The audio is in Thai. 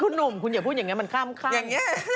คุณหนุ่มอย่าพูดอย่างงี้มันข้ามข้าง